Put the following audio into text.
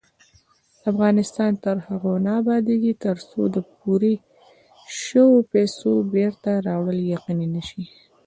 افغانستان تر هغو نه ابادیږي، ترڅو د پورې شوو پیسو بېرته راوړل یقیني نشي.